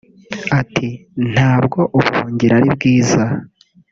Ati “ntabwo ubuhungiro ari bwiza